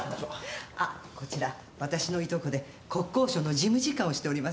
あっこちら私のいとこで国交省の事務次官をしております。